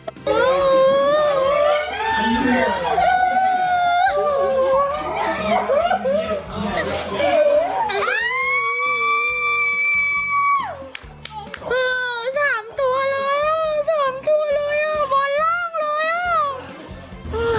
สามตัวเลยสามตัวเลยวร้องเลยอ่ะ